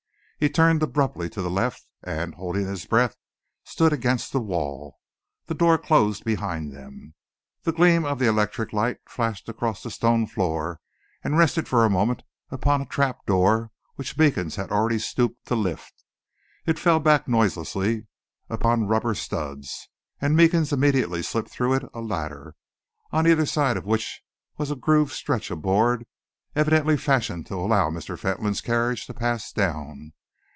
He turned abruptly to the left and, holding his breath, stood against the wall. The door closed behind them. The gleam of the electric light flashed across the stone floor and rested for a moment upon a trap door, which Meekins had already stooped to lift. It fell back noiselessly upon rubber studs, and Meekins immediately slipped through it a ladder, on either side of which was a grooved stretch of board, evidently fashioned to allow Mr. Fentolin's carriage to pass down.